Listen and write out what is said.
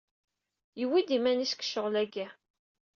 Yewwi-d iman-is deg ccɣel-agi.